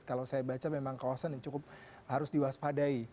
kalau saya baca memang kawasan yang cukup harus diwaspadai